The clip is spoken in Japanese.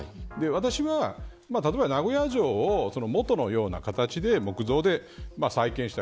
私は例えば名古屋城を元のような形で木造で再建したい。